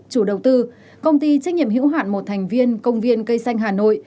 chủ đầu tư công ty trách nhiệm hữu hạn một thành viên công viên cây xanh hà nội